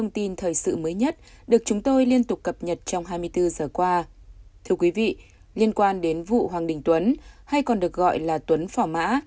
thưa quý vị liên quan đến vụ hoàng đình tuấn hay còn được gọi là tuấn phỏ mã